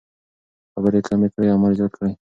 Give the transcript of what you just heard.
خبرې کمې کړئ عمل زیات کړئ.